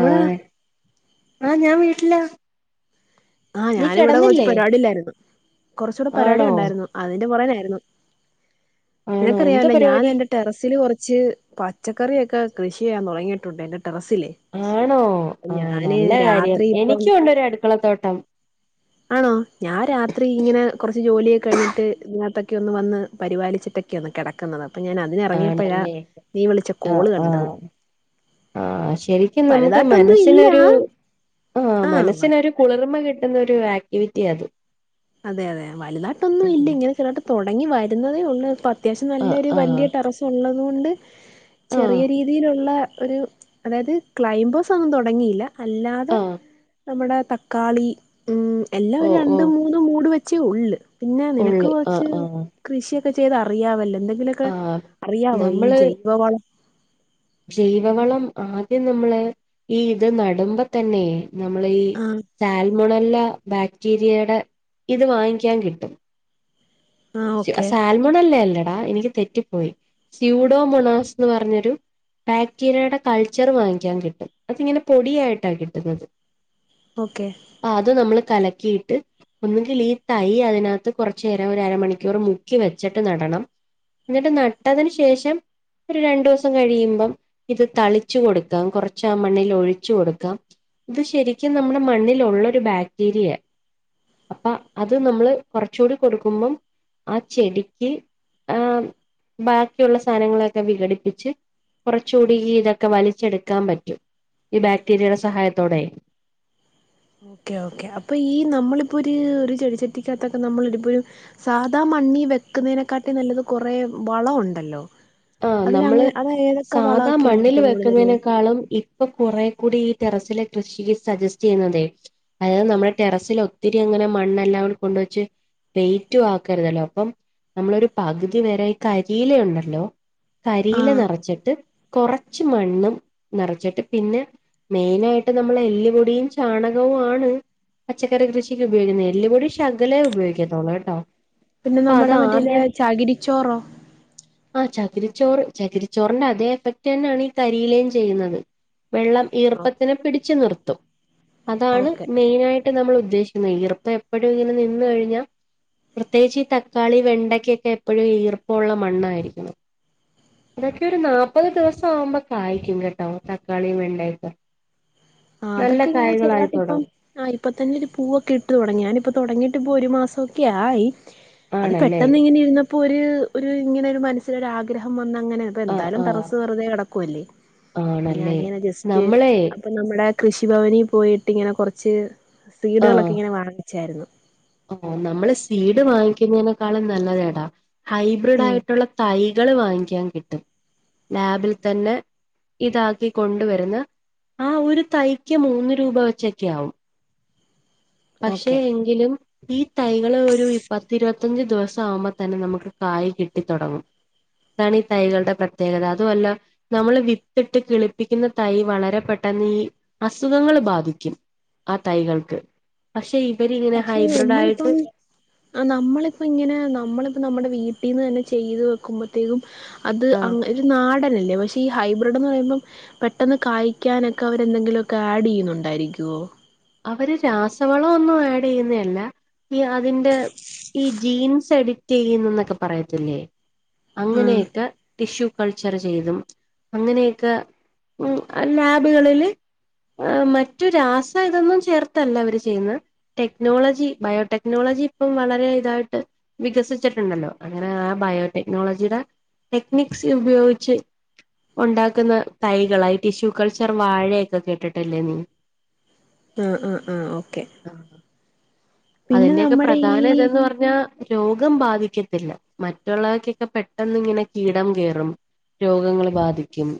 ആഹ് ആഹ് ഞാൻ വീട്ടിലാ ആഹ് നീ ഞാൻ ഇവിടെ കൊ റച്ച് കിടന്നില്ലേ പരിപാടിയിലായിരുന്നു കൊറച്ചൂടെ പരിപാടി ആണോ ഉണ്ടായിരുന്നു അതിന്റെ പുറകെയായിരുന്നു ആണോ എന്താ നിനക്കറിയാല്ലോ ഞാൻ പരിപാടി എന്റെ ടെറസില് കൊ റച്ച് പച്ചക്കറിയൊക്കെ കൃഷി ചെയ്യാൻ തൊടങ്ങിയിട്ടുണ്ട് എന്റെ ടെറസില് ആണോ ആഹ് നല്ല കാര്യാണ് രാത്രി ഇപ്പം എനിക്കുണ്ടൊരു അടുക്കളത്തോട്ടം ആണോ ഞാൻ രാത്രി ഇങ്ങനെ കൊറച്ച് ജോലിയൊക്കെ കഴിഞ്ഞിട്ട് ഇതിനകത്തൊക്കെ ഒന്ന് വന്ന് പരിപാലിച്ചിട്ടൊക്കെ ക്ക്യ കെടക്കുന്നത് അപ്പൊ ഞാൻ അതിനിറങ്ങിയപ്പോഴാ ആണല്ലേ നീ വിളിച്ച ആഹ് കോള് കണ്ടത് ആഹ് ആഹ് ശരിക്കും നമുക്ക് വലുതായിട്ടൊന്നും ഇല്ല മനസ്സിനൊരു ആഹ് മനസ്സിനൊരു ആഹ് കുളിർമ കിട്ടുന്ന ഒരു ആക്ടിവിറ്റിയാ അത് അതെ അതെ വല്തായിട്ടൊന്നുല്ല ഉം ഇങ്ങനെ ചെർതായിട്ട് തൊടങ്ങി വരുന്നതേ ഉള്ളൂ പ്പ അത്യാവശ്യം ആഹ് നല്ലൊരു ആഹ് വലിയ ടെറസ് ഉള്ളതുകൊണ്ട് ആഹ് ചെറിയ രീതിയിലുള്ള ഒരു അതായത് ക്ലൈംബോസ് ഒന്നും തൊടങ്ങിയില്ല അല്ലാതെ ആഹ് നമ്മുടെ തക്കാളി ഉം എല്ലാം ഓ ഓ രണ്ടും മൂന്നും മൂട് വെച്ചേ ഉള്ള് പിന്നെ നിനക്ക് ഉള്ള് ആഹ് കൊറച്ച് ആഹ് കൃഷിയൊക്കെ ചെയ്ത് അറിയാവല്ലോ എന്തെങ്കിലൊക്കെ ആഹ് അറിയാവോ ഈ നമ്മള് ജൈവ വളം ജൈവവളം ആദ്യം നമ്മളെ ഈ ഇത് നടുമ്പോ തന്നെ നമ്മളെ ഈ ആ സാൽമോണല്ല ബാക്ടീരിയയുടെ ഇത് വാങ്ങിക്കാൻ കിട്ടും ആ ഓക്കെ സാൽമോണല്ലേ അല്ലേടാ എനിക്ക് തെറ്റിപ്പോയി സ്യൂഡോ മൊണാസ് എന്ന് പറഞ്ഞൊരു ബാക്ടീരിയയുടെ കൾച്ചർ വാങ്ങിക്കാൻ കിട്ടും അതിങ്ങനെ പൊടിയായിട്ടാ കിട്ടുന്നത് ഓക്കെ ആഹ് അത് നമ്മൾ കലക്കിയിട്ട് ഒന്നുങ്കിൽ ഈ തൈ അതിനകത്ത് കുറച്ചു നേരം ഒരു അരമണി ക്കുർ മുക്കി വെച്ചിട്ട് നടണം എന്നിട്ട് നട്ടതിന് ശേഷം ഒരു രണ്ടു ദിവസം കഴിയുമ്പം ഇത് തളിച്ചു കൊടുക്കാം കുറച്ചാ മണ്ണിൽ ഒഴിച്ച് കൊടുക്കാം ഇത് ശരിക്കും നമ്മുടെ മണ്ണിലുള്ള ഒരു ബാക്ടീരിയ അപ്പൊ അത് നമ്മള് കുറച്ചുകൂടി കൊടുക്കുമ്പം ആഹ് ചെടിക്ക് ആഹ് ബാക്കിയുള്ള സാധനങ്ങളൊക്കെ വിഘടിപ്പിച്ച് കുറച്ചുകൂടി ഇതൊക്കെ വലിച്ചെടുക്കാൻ പറ്റും ഈ ബാക്ടീരിയയുടെ സഹായത്തോടെ ഓക്കേ ഓക്കെ അപ്പൊ ഈ നമ്മളിപ്പോ ഒരു ഒരു ചെടിച്ചട്ടിക്കകത്തൊക്കെ നമ്മള ഇപ്പോ ഒരു സാധാ മണ്ണി വെക്കുന്നതിനെക്കാട്ടി നല്ലത് കുറേ വളമുണ്ടല്ലോ ആഹ് നമ്മള് സാധാ വളമൊക്കെയാണ് മണ്ണിൽ ഏറ്റവും കൂടുതൽ വെക്കുന്നതിനേക്കാളും ഇപ്പൊ കൊറ കൂടി ഈ ടെറസിലെ കൃഷിക്ക് സജസ്റ്റ് ചെയ്യുന്നതെ അതായത് നമ്മുടെ ടെറസിൽ ഒത്തിരി അങ്ങനെ മണ്ണെല്ലാം കൊണ്ടുവച്ച് വെയറ്റു ആക്കരുതല്ലോ അപ്പം നമ്മളൊരു പകുതി വരെ കരിയില ഉണ്ടല്ലോ ആ കരിയില നിറച്ചിട്ട് കുറച്ച് മണ്ണും നിറച്ചിട്ട് പിന്നെ മെയിനായിട്ട് നമ്മൾ എല്ലിപൊടിയും ചാണകവും ആണ് പച്ചക്കറി കൃഷിക്ക് ഉപയോഗിക്കുന്നത് എല്ലുപൊടി ശകലേ ഉപയോഗിക്കാത്തോളൂ കേട്ടോ പിന്നെ അപ്പൊ അത് നമ്മുടെ മറ്റേയില് ആദ്യം ചാകിരിച്ചോറോ ആഹ് ചക് ചകരിച്ചോറ് ചകിരിച്ചോറിന്റെ അതേ എഫക്ട് തന്നെയാണ് ഈ കരിയിലയും ചെയ്യുന്നത് വെള്ളം ആ ഈർപ്പത്തിനെ പിടിച്ചു നിർത്തും അതാണ് ഓക്കെ മെയിനായിട്ട് നമ്മൾ ഉദ്ദേശിക്കുന്നത് ഈർപ്പം എപ്പോഴും ഇങ്ങനെ നിന്ന് കഴിഞ്ഞാൽ പ്രത്യേകിച്ച് ഈ തക്കാളി വെണ്ടയ്ക്കൊക്കെ എപ്പോഴും ഈർപ്പമുള്ള മണ്ണായിരിക്കണം ഇതൊക്കെ ഒരു നാല്പ്പത് ദിവസം ആവുമ്പോ കായ്ക്കും കേട്ടോ തക്കാളിയും വെണ്ടയൊക്കെ നല്ല കായകളായിത്തുടങ്ങും ആഹ് ഇപ്പൊ തന്നെ ഒരു പൂവൊക്കെ ഇട്ട് തുടങ്ങി ഞാന ഇപ്പൊ തുടങ്ങിയിട്ട് ഇപ്പൊ ഒരു മാസം ഒക്കെ ആയി അത് ആണല്ലേ പെട്ടെന്ന് ഇങ്ങനെ ഇരുന്നപ്പോ ഒരു ഒരു ഇങ്ങനെ ഒരു മനസ്സിലൊരാഗ്രഹം വന്ന അങ്ങനെ അപ്പ ആഹ് എന്തായാലും ആഹ് ടറസ്സ് വെറുതെ കിടക്കും അല്ലേ അപ്പൊ ആണല്ലേ ഞാനിങ്ങനെ ജസ്റ്റ് നമ്മളെ അപ്പൊ നമ്മുടെ കൃഷിഭവനിൽ പോയിട്ട് ഇങ്ങനെ കൊറച്ച് സീഡുകളൊക്കെ ഇങ്ങനെ വാങ്ങിച്ചായിരുന്നു ഓ നമ്മള് സീഡ് അങ്ങനെ വാങ്ങിക്കുന്നതിനേക്കാളും നല്ലതേടാ ഹൈബ്രിഡ് ഉം ആയിട്ടുള്ള തൈകള് വാങ്ങിക്കാൻ കിട്ടും ലാബിൽ തന്നെ ഇതാക്കി കൊണ്ടുവരുന്ന ആഹ് ഒരു തൈക്ക് മൂന്ന് രൂപ വെച്ചൊക്കെ ആവും പക്ഷെ ഓക്കെ എങ്കിലും ഈ തൈകള് ഒരു പത്തിരുപത്തഞ്ച് ദിവസം ആകുമ്പോ തന്നെ നമുക്ക് കായ കിട്ടി തുടങ്ങും അതാണ് ഈ തൈകളുടെ പ്രത്യേകത അതും അല്ല നമ്മള് വിത്തിട്ട് കിളിപ്പിക്കുന്ന തൈ വളരെ പെട്ടെന്ന് ഈ അസുഖങ്ങള്ൾ ബാധിക്കും ആഹ് തൈകൾക്ക് പക്ഷെ ഇവരിങ്ങനെ ഹൈബ്രിഡ് ആയിട്ട് ആഹ് നമ്മളിപ്പ ഇങ്ങനെ നമ്മളിപ്പോ നമ്മുടെ വീട്ടിൽന്ന് തന്നെ ചെയ്ത് വെക്കുമ്പോഴത്തേക്കും അത് ആഹ് ഇത് നാടൻല്ലേ പക്ഷ ഈ ഹൈബ്രിഡ്ന്ന് പറയുമ്പോം പെട്ടെന്ന് കായ്ക്കാനൊക്കെ അവരെന്തെങ്കിലുമൊക്കെ ആഡ് ചെയ്യുന്നുണ്ടായിരിക്കുമുവോ അവര് രാസവളം ഒന്നും ആഡ് ചെയ്യുന്നല്ല ഈ അതിന്റെ ഈ ജീൻസ് എഡിറ്റ് ചെയ്യുന്നുന്നൊക്കെ പറയത്തില്ലേ ആഹ് അങ്ങനെയൊക്കെ ടിഷ്യൂ കൾച്ചർ ചെയ്തും അങ്ങനെയൊക്കെ ലാബുകളിൽ ആഹ് മറ്റ് രാസ ഇതൊന്നും ചേർത്തല്ല അവര് ചെയ്യുന്ന ടെക്നോളജി ബയോടെക്നോളജി ഇപ്പം വളരെ ഇതായിട്ട് വികസിച്ചിട്ടുണ്ടല്ലോ അങ്ങനെ ആഹ് ബയോടെക്നോളജിയുടെ ടെക്നിക്സ് ഉപയോഗിച്ച് ഉണ്ടാക്കുന്ന തൈകളാ ഈ ടിഷ്യൂ കൾച്ചർ വാഴയൊക്കെ കേട്ടിട്ടല്ലേ നീ ആഹ് ആഹ് ആഹ് ഓക്കെ ആ പിന്നെ അതിന്റെക്കെ നമ്മുടെ പ്രധാന ഈ ഇതെന്ന് പറഞ്ഞ ഞ രോഗം ബാധിക്കത്തില്ല മറ്റുള്ളവർക്കൊക്കെ പെട്ടന്ന് ഇങ്ങനെ കീടം കയറും രോഗങ്ങള് ബാധിക്കും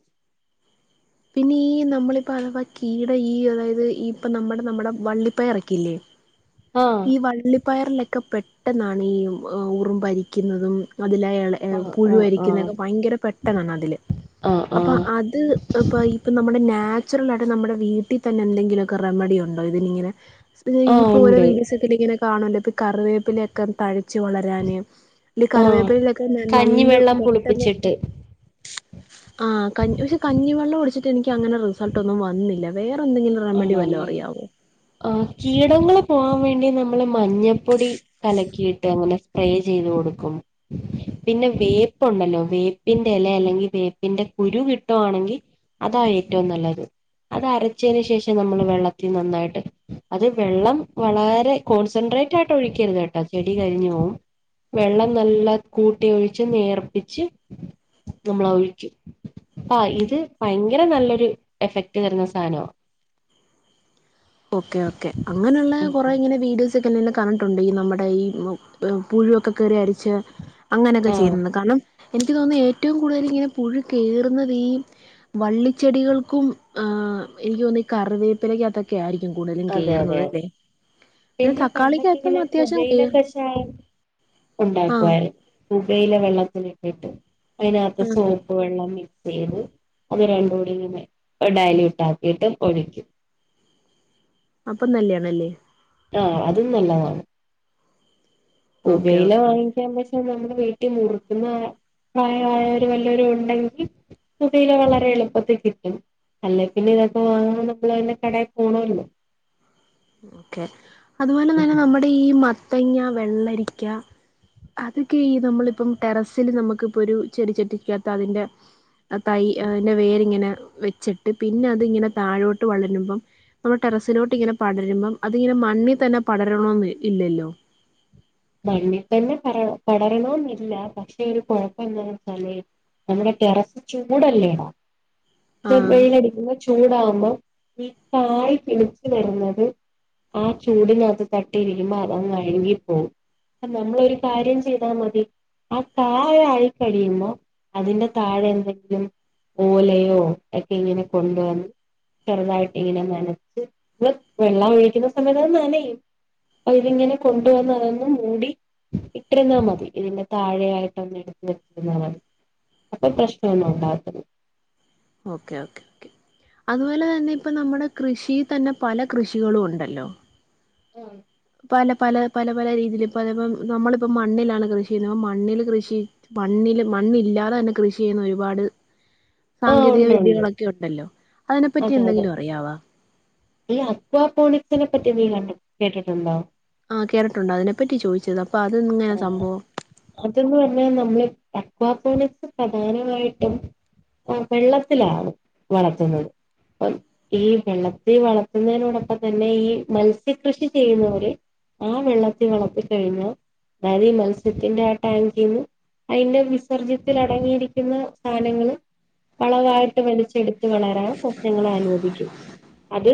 പിന്നെ ഈ നമ്മളിപ്പോ അഥവാ കീടം ഈ അതായത് ഇപ്പ നമ്മുടെ നമ്മുടെ വള്ളിപ്പയറൊക്കെയില്ലേ ഉ ഈ വള്ളി പയറിലൊക്കെ പെട്ടെന്നാണ് ഈ ഉറുമ്പ് അരിക്കുന്നതും അതില [unintelligible] ആഹ് ആഹ് ആഹ് പുഴുവരിക്കുന്നൊക്കെ ഭയങ്കര പെട്ടെന്നാണ് അതില് ആഹ് അപ്പൊ ആഹ് അത് ഇപ്പൊ ഇപ്പ നമ്മുടെ നാച്ചുറൽ ആയിട്ട് നമ്മുടെ വീട്ടിൽ തന്നെ എന്തെങ്കിലൊക്കെ റെമഡി ഉണ്ടോ ഇതിനിങ്ങനെ ഇതാ ആഹ് ഇപ്പോ ഓരോ ഉണ്ട് വീഡിയോസിലൊക്കെ ഇങ്ങനെ കാണല്ലോ ഈ കറിവേപ്പിലൊക്കെ ത ഴച്ചു വളരാന് ആഹ് കറിവേപ്പിലയിലൊക്കെ നല്ല കഞ്ഞിവെള്ളം പെട്ടെന്ന് പുളിപ്പിച്ചിട്ട് ആഹ് കഞ്ഞി പക്ഷെ കഞ്ഞി വെള്ളം ഒഴിച്ചിട്ട്‌ എനിക്ക് അങ്ങനെ റിസൾട്ട് ഒന്നും വന്നില്ല വേറെ എന്തെങ്കിലും റെമഡി വല്ലോ ആണല്ലേ അറിയാവോ ആ കീടങ്ങള് പോകാൻ വേണ്ടി നമ്മള് മഞ്ഞപ്പൊടി കലക്കിയിട്ട് അങ്ങനെ സ്പ്രേ ചെയ്ത് കൊടുക്കും പിന്നെ വേപ്പുണ്ടല്ലോ വേപ്പിന്റെ ഇല അല്ലെങ്കിൽ വേപ്പിന്റെ കുരു കിട്ടുവാണെങ്കിൽ അതാ ഏറ്റവും നല്ലത് അത് അരച്ച് ച്ചന് ശേഷം നമ്മൾ വെള്ളത്തിൽ നന്നായിട്ട് അത് വെള്ളം വളരെ കോൺസെൻട്രേറ്റ് ആയിട്ട് ഒഴിക്കരുത് കേട്ടോ ട്ട ചെടി കരിഞ് പോവും വെള്ളം നല്ല കൂട്ടി ഒഴിച്ച് നേർപ്പിച്ച് നമ്മള ഒഴിക്കും അ ഇത് ഭയങ്കര നല്ലൊരു എഫക്ട് തരുന്ന സാധനമാ ഓക്കെ ഓക്കെ അങ്ങനെയുള്ള ഉം കൊറെ ഉം ഇങ്ങനെ വീഡിയോസ് ഒക്കെന്നെ കണ്ടിട്ടുണ്ട് ഈ നമ്മുടെ ഈ പുഴുവൊക്കെ കേറി അരിച്ച അങ്ങനെയൊക്കെ ആഹ് ചെയ്യുന്നുണ്ട് കാരണം എനിക്ക് തോന്നുന്നു ഏറ്റവും കൂടുതൽ ഇങ്ങനെ പുഴു കയറുന്നതീ വള്ളിച്ചെടികൾക്കും ആഹ് എനിക്ക് തോന്നുന്നു ഈ കറിവേപ്പിലേക്ക ഒക്കെ ആയിരിക്കും കൂടുതലും അതെ അതെ അതെ കേറുന്നതല്ലേ പിന്നെ പണ്ടൊക്കെ ഇങ്ങനെ പുകയില കയറും കഷായം ആ ഉണ്ടാക്കുവാരുന്നു പുകയില വെള്ളത്തിലിട്ടിട്ട് അതിനകത്ത് ആ സോ പ്പ് വെള്ളം മിക്സ് ചെയ്ത് അത് രണ്ടും കൂടി ഡെയ്ലൂട്ടാക്കിയിട്ട് ഒഴിക്കും അപ്പം നല്ലാണല്ലേ ആഹ് അതും നല്ലതാണ് ഓക്കെ പുകയില ഓക്കെ ഓക്കെ വാങ്ങിക്കാൻ പ നമ്മള് വീട്ടിൽ മുറുക്കുന്ന പ്രായമായവരു വല്ലരു ഉണ്ടെങ്കിൽ പുകയിലെ വളരെ എളുപ്പത്തിൽ കിട്ടും അല്ലേ പിന്നെ ഇതൊക്കെ വാങ്ങൻ നമ്മള് അന്റെ കടയിൽ പോണല്ലോ ഓക്കെ അതുപോലെ തന്നെ നമ്മുടെ ഈ മത്തങ്ങ, വെള്ളരിക്ക അതൊക്കെ ഈ നമ്മളിപ്പം ടെറസിൽ നമുക്ക്പ്പൊ ഒരു ചെടിച്ചട്ടിക്കാത്ത അതിന്റെ ആ തൈ അയ്ന്റെ വേരിങ്ങനെ വെച്ചിട്ട് പിന്നെ അത് ഇങ്ങനെ താഴോട്ട് വളരുമ്പം നമ്മ ടെറസിലോട്ട് ഇങ്ങനെ പടരുമ്പം അതിങ്ങനെ മണ്ണിൽ തന്നെ പടരണോന്ന് ഇല്ലല്ലോ മണ്ണിൽ തന്നെ പറ പടരണോന്നില്ല പക്ഷെ ഒരു കുഴപ്പന്താന്ന് വെച്ചാല് നമ്മുടെ ടെറസ് ചൂടല്ലേടാ ഇച്ചിരി ആഹ് വെയിലടിക്കുമ്പോ ചൂടാവുമ്പോ ഈ കായ് പിടിച്ചു വരുന്നത് ആ ചൂടിനകത്ത് തട്ടി ഇരിക്കുമ്പോ അതങ് അഴുകി പോവും അല്ല നമ്മളൊരു കാര്യം ചെയ്താൽ മതി അ താഴെ ആയി കഴിയുമ്പോ അതിന്റെ താഴെ എന്തെങ്കിലും ഓലയോ ഒക്കെ ഇങ്ങനെ കൊണ്ടുവന്ന് ചെറുതായിട്ട് ഇങ്ങനെ നനച്ച് നമ്മള് വെള്ളം ഒഴിക്കുന്ന സമയത്ത് നനയും അവര് ഇങ്ങനെ കൊണ്ടുവന്ന മൂടി ഇട്ടിരുന്നാ മതി ഇതിന്റെ താഴെ ആയിട്ടൊന്ന് എടുത്ത് ഇട്ടിരുന്നാ മതി അപ്പൊ പ്രശ്നം ഒന്നും ഉണ്ടാവത്തില്ല ഓക്കെ ഓക്കെ ഓക്കെ അതുപോലെ തന്നെ ഇപ്പ നമ്മുടെ കൃഷിയിൽ തന്നെ പല കൃഷികളും ഉണ്ടല്ലോ ആഹ് പല പല പല പല രീതിയിൽ ഇപ്പം നമ്മളിപ്പ മണ്ണിലാണ് കൃഷി ചെയ്യുന്നത് അപ്പം മണ്ണില് കൃഷി മണ്ണില് മണ്ണ് ഇല്ലാതെ തന്നെ കൃഷി ചെയ്യുന്ന ഒരുപാട് [inaudible] സാങ്കേതിക ഉണ്ട് ഉണ്ട് വിദ്യകളൊക്കെ ഉണ്ടല്ലോ അതിനെപ്പറ്റി അതെ അതെ എന്തെങ്കിലും അറിയാവാേ ഈ അക്വാപോണിക്സിനെ പറ്റി നീ ക കേട്ടിട്ടുണ്ടോ ആ കേട്ടിട്ടുണ്ട് അതിനെപ്പറ്റി ചോദിച്ചത് അപ്പൊ അത് എങ്ങനെയാണ് സംഭവം അതന്ന് പറഞ്ഞാൽ നമ്മള് തക്വാസോണിക്സ് പ്രധാനമായിട്ടും ആ വെള്ളത്തിലാണ് വളർത്തുന്നത് അ ഈ വെള്ളത്തിൽ വളർത്തുന്നതിനോടൊപ്പം തന്നെ ഈ മത്സ്യ കൃഷി ചെയ്യുന്നവര് ആ വെള്ളത്തിൽ വളർത്തി കഴിഞ്ഞാൽ അതായത് ഈ മത്സ്യത്തിന്റെ ആ ടാങ്കീന്ന് അതിന്റെ വിസർജ്യത്തിൽ അടങ്ങിയിരിക്കുന്ന സാധനങ്ങള് വളവായിട്ട് വലിച്ചെടുത്ത് വളരാൻ സസ്യങ്ങളെ അനുവദിക്കും അത്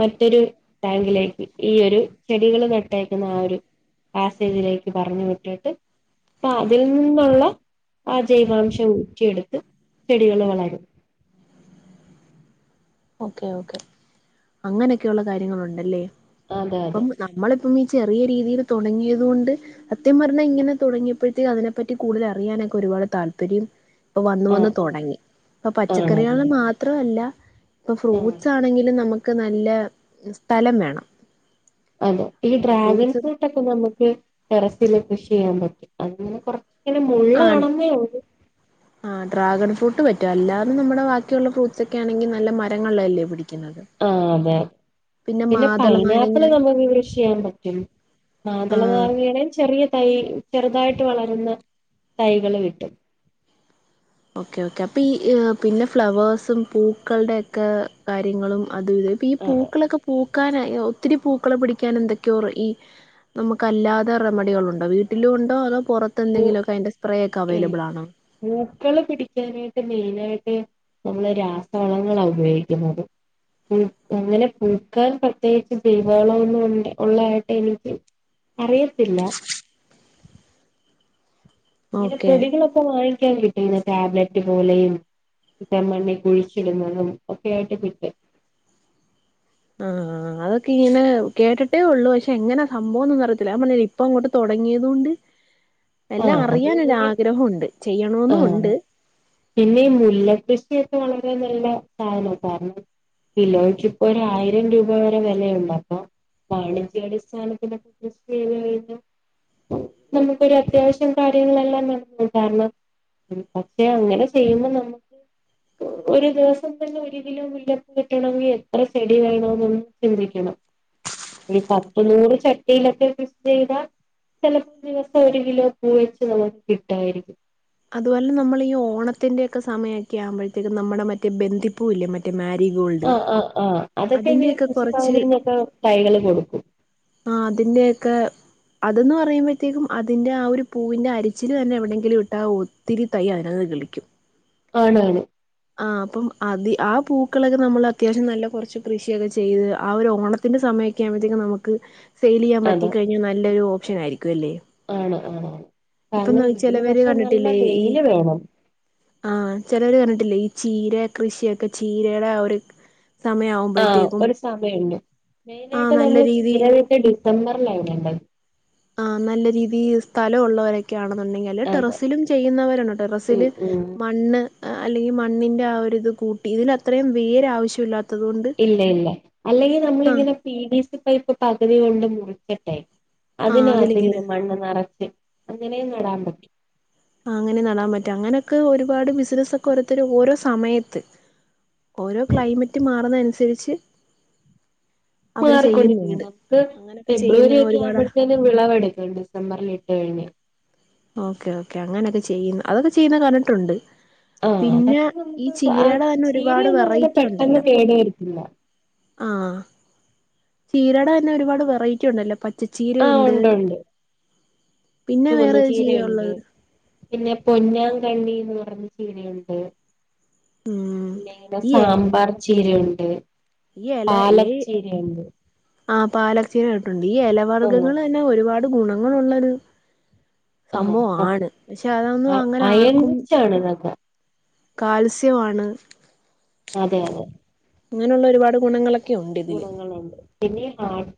മറ്റൊരു ടാങ്കിലേക്ക് ഈ ഒരു ചെടികൾ നട്ടേക്കുന്ന ആ ഒരു പാസേജിലേക്ക് പറഞ്ഞു വിട്ടിട്ട് അപ്പ അതിൽ നിന്നുള്ള ആ ജൈവാംശം ഊറ്റിയെടുത്ത് ചെടികൾ വളരും ഓക്കെ ഓക്കെ അങ്ങനൊക്കെയുള്ള കാര്യങ്ങള് ഉണ്ടല്ലേ അതെ അതെ നമ്മളിപ്പം ഈ ചെറിയ രീതിയിൽ തുടങ്ങിയത് കൊണ്ട് അത്യം പറഞ്ഞാ ഇങ്ങനെ തുടങ്ങിയപ്പോഴത്തേക്ക് അതിനെ പറ്റി കടുതൽ അറിയാനൊക്കെ ഒരുപാട് താല്പര്യം വന്ന് വന്ന് ആഹ് തുടങ്ങി അപ്പം പച്ചക്കറികൾ ആണല്ലേ മാത്രമല്ല ഇപ്പൊ ആഹ് ഫ്രൂട്ട്സ് ആണെങ്കിലും നമുക്ക് നല്ല സ്ഥലം വേണം അതെ ഈ ഡ്രാഗൺ ഫ്രൂട്ട്സ് ഫ്രൂട്ടൊക്കെ നമുക്ക് ടെറസൽ കൃഷി ചെയ്യാൻ പറ്റും അതിന് കുറ ഇങ്ങനെ മുള്ള് ആണെന്നേ ഉള്ളൂ ആ ഡ്രാഗൺ ഫ്രൂട്ട് പറ്റും അല്ലാതെ നമ്മുടെ ബാക്കിയുള്ള ഫ്രൂട്ട്സ് ഒക്കെ ആണെങ്കിൽ നല്ല മരങ്ങളിലല്ലേ പിടിക്കുന്നത് ആ അതെതെ പിന്നെ മാതള നാരങ്ങ പൈനാപ്പിള് നമുക്ക് കൃഷി ചെയ്യാൻ പറ്റും മാതള ആഹ് നാരയുടെയും ചെറിയ തൈ ചെറുതായിട്ട് വളരുന്ന തൈകള് കിട്ടും ഓക്കേ ഓക്കേ അപ്പൊ ഈ പിന്നെ ഫ്ലവേഴ്സും പൂക്കളുടെ ഒക്കെ കാര്യങ്ങളും അത് ഇത് അപ്പൊ ഈ അതെ പൂക്കളൊക്കെ പൂക്കാൻ ഒത്തിരി പൂക്കളെ പിടിക്കാൻ എന്തൊക്കെയോറ ഈ നമുക്ക് അല്ലാതെ റെമഡികൾ ഉണ്ടോ വീട്ടിലുണ്ടോ അതോ പുറത്തെ പൂ എന്തെങ്കിലൊക്കെ അതിൻ്റെ സ്പ്രേ ഒക്കെ ഇല്ല അവൈലബിൾ ആണോ പൂക്കള് പിടിക്കാനായിട്ട് മെയിന് ആയിട്ട് നമ്മള് രാസവളങ്ങളാണ് ഉപയോഗിക്കുന്നത് ഉം അങ്ങനെ പൂക്കാൻ പ്രത്യേകിച്ച് ജൈവ വളം ഒന്നും ഉണ്ട് ഉള്ളതായിട്ട് എനിക്ക് അറിയത്തില്ല ഇങ്ങനെ ഓക്കെ പൊടികളൊപ്പ വാങ്ങിക്കാൻ കിട്ടും ടാബ്ലറ്റ് പോലെയും [unintelligible] മണ്ണി കുഴിച്ചിടുന്നതും ഒക്കെയ ആയിട്ട് കിട്ട് ആ അതൊക്കെ ഇങ്ങനെ കേട്ട്ട്ടേ ഉള്ളൂ പക്ഷെ എങ്ങനെ സംഭവംന്നും അറിയത്തില്ല ഞാൻ പർഞ്ഞിലേ ഇപ്പൊ അങ്ങോട്ട് തൊടങ്ങിയതുണ്ട് [inaudible] എല്ലാം അത് ഇങ്ങനെ അറിയാനൊരാഗ്രഹം ഉണ്ട് ആഹ് ചെയ്യണോന്നുണ്ട്. പിന്നെ ഈ മുല്ല കൃഷിയൊക്കെ വളരെ നല്ല സാധനമാണ് കാരണം കിലോയ്ക്ക് ഇപ്പൊ ഒരായിരം രൂപ വരെ വെലയുണ്ടാക്ക. വാണിജ്യ അടിസ്ഥാനത്തിനൊക്കെ [unintelligible] നമുക്ക് ഒര അത്യാവശ്യം കാര്യങ്ങളെല്ലാം [inaudible] കാരണം പക്ഷെ അങ്ങനെ ചെയ്യുമ്പോ നമ്മൾ ഒരു ദിവസം തന്നെ ഒര് കിലോ മുല്ലപ്പൂ കിട്ടണങ്കിൽ എത്ര ചെടി [unintelligible] ചിന്തിക്കണം ഒരു പത്ത്, നൂറ് ചട്ടിയിലൊക്കെ കൃഷി ചെയ്താ ചെലപ്പോ ദിവസം ഒരു കിലോ പൂ വെച്ച് നമുക്ക് കിട്ടായിരിക്കും അതുപോലെ നമ്മൾ ഈ ഓണത്തിന്റെ ഒക്കെ സമയക്കെ ആകുമ്പഴത്തേലും നമ്മടെ മറ്റേ ബന്ധിപ്പൂ ഇല്ലേ മ റ്റേ മാരിഗോൾഡ് ആഹ് ആഹ് ആഹ് അതൊക്കെ ഇനി അതിന്റെയൊക്കെ കൃഷി കുറച്ച് ഭവനിന്നൊക്കെ തൈകള് കൊടുക്കും. ആ അതിന്റെയക്കെ അത് ന്ന് പറയുമ്പഴത്തേക്കും അതിന്റെ ആ ഒരു പൂവിന്റെ അരിച്ചില് തന്നെ എവിടെങ്കിലും ഇട്ടാവോ ഇത്തിരി തൈ [unintelligible] കിളിക്കും. ആണാണ് ആ അപ്പം അതി ആ പൂക്കളക്കെ നമ്മള് അത്യാവശ്യം നല്ല കൊറച്ച് കൃഷിയക്കെ ചെയ്ത് ആ ഒരു ഓണ ത്തിന്റെ സമയൊക്കെ ആകുമ്പത്തേക്കും നമുക്ക് സെയിൽ ചെയ്യാൻ പറ്റി കഴിഞ്ഞാൽ നല്ലൊരു ഓപ്ഷൻ ആയിരിക്കും. അല്ലേ? ആണോ ആ ഇപ്പം കാരണം ഇതിന് ചിലവര് പക്ഷെ നല്ല വെയില് വേണം. ആ ചെലർ പറഞ്ഞിട്ടില്ലേ ഈ ചീര കൃഷിയൊക്കെ ചീരയുടെ ഒര് സമയാവും ആ ഒരു സമയണ്ട് ആഹ് മെയിനായിട്ട് നല്ല നമ്മള് രീതി ചീരകട്ട് ഡിസംബർൽ ഇടേണ്ടത്. ആ നല്ല രീതിയിൽ സ്ഥലം ഉള്ളവര ക്കെ ആണെന്നുണ്ടെങ്കിൽ അല്ലേ അതെ ടെറസിലും ചെയ്യുന്നവരുണ്ട് ഉം ടെറസില് ഉം മണ്ണ് ഏ അല്ലെങ്കിൽ മണ്ണിൻ്റെ ആ ഒരു ഇത് കൂട്ടി ഇതിൽ അത്രയും വേരാവശ്യല്ലാ ഇല്ല ഇല്ല അല്ലെങ്കിൽ നമ്മളിങ്ങനെ പി വി സി പൈപ്പ് പകുതി കൊണ്ട് മുറിച്ച്ട്ടെ ആഹ് അതിലിങ്ങനെ അതിനകത്തിക്ക് മണ്ണ് നറച്ച് അങ്ങനെയും നടാൻ പറ്റും. ആ അങ്ങനെ നടാൻ പറ്റ അങ്ങനെക്കെ ഒരുപാട് ബിസിനസ് ഒക്കെ ഓരോത്തര് ഓരോ സമയത്ത് ഓരോ ക്ലൈമറ്റ് മാറുന്ന അനുസരിച്ച് മാറിക്കൊണ്ടിരിക്കും ചെയ്യുന്നുണ്ട് നമുക്ക് അങ്ങനൊക്കെ ഫെബ്രുവരി ചെയ്യുന്ന ഒക്കെ ഒരുപാട് ആവുമ്പഴേത്തേ വിളവെടുക്കും ഡിസംബറിൽ എട്ട് കഴിഞ്ഞ്. ഓക്കെ ഓക്കെ അങ്ങനെയക്കെ ചെയ്യുന്ന അതൊക്കെ ചെയ്യുന്ന കണ്ടിട്ടുണ്ട്. ആഹ് പിന്നെ അതൊക്കെ ഈ നമുക്ക് ആ ചീരയുടെ തന്നെ ഒരുപാട് ചീരയൊന്നും അങ്ങനെ വെറൈറ്റി പെട്ടെന്ന് ഉണ്ടല്ലോ. കേട് വരത്തില്ല ആ ചീരയുടെ തന്നെ ഒരുപാട് വെറൈറ്റി ഉണ്ടല്ലോ ആഹ് പച്ചച്ചീരയുണ്ട് ഉണ്ട് ഉണ്ട് പിന്നെ ചുവന്ന വേറെ ഒരു ചീരയ ചീരയുണ്ട് ഉള്ളത് പിന്നെ പൊന്നാം കണ്ണിന്ന് പർഞ്ഞ ചീരയുണ്ട്. ഉം പിന്നെ ഈ [unintelligible] സാമ്പാർ ചീരയുണ്ട് ഈ എല ഈ പാലച്ചീരയുണ്ട്. ആ പാലച്ചീരായിട്ടുണ്ട് ഈ എല ആഹ് വർഗ്ഗങ്ങൾ തന്നെ ഒരുപാട് ഗുണങ്ങുളള്ളത് ആഹ് സംഭവാണ് പക്ഷെ അതൊന്നും അ അങ്ങനെ അയൺ ആർക്കും [unintelligible] കാൽസ്യംമാണ് അതെ അതെ ഇങ്ങനെയുള്ള ഒരുപാട് ഗുണങ്ങളൊ ഗുണങ്ങളുണ്ട് പിന്നെ [unintelligible]